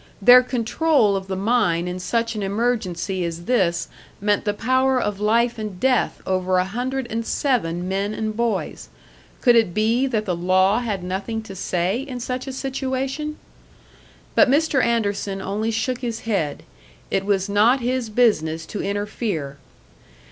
Their control of the mine in such an emergency as this meant the power of life and death over a hundred and seven men and boys; could it be that the law had nothing to say in such a situation? But Mr. Anderson only shook his head; it was not his business to interfere.